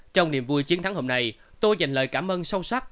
trong niềm vui chiến thắng hôm nay tôi dành lời cảm ơn sâu sắc